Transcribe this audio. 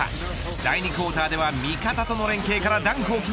第２クオーターでは味方との連携からダンクを決め